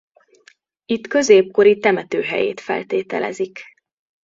Itt középkori temető helyét feltételezik.